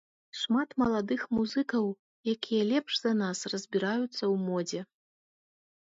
Шмат маладых музыкаў, якія лепш за нас разбіраюцца ў модзе.